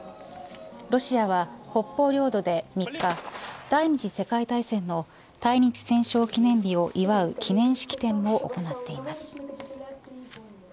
ロシアは北方領土で３日第２次世界大戦の対日戦勝記念日を祝う記念式典も行っています。